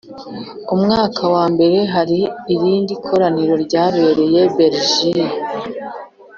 umwaka wambere hari irindi koraniro ryabereye i Bergen